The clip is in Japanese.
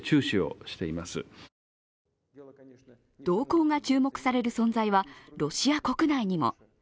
動向が注目される存在はロシア国内にも。